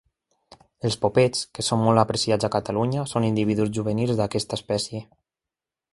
Els popets, que són molt apreciats a Catalunya, són individus juvenils d'aquesta espècie.